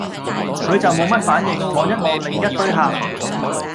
佢就無乜反應，望一望另一堆客